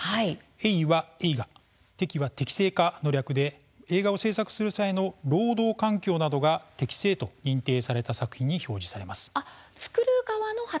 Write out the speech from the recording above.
映は映画、適は適正化の略で映画を制作する際の労働環境などが適正と認定された作品に表示されます。